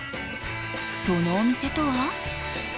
そのお店とは？